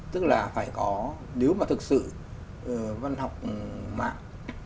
tức là phải có nếu mà thực sự văn học mạng